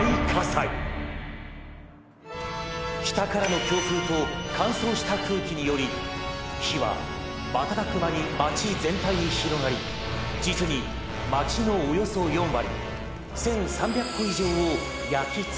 「北からの強風と乾燥した空気により火は瞬く間に町全体に広がり実に町のおよそ４割１，３００戸以上を焼き尽くしました。